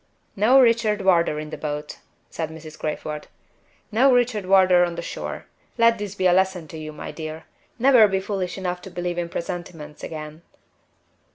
"No Richard Wardour in the boat," said Mrs. Crayford. "No Richard Wardour on the shore. Let this be a lesson to you, my dear. Never be foolish enough to believe in presentiments again."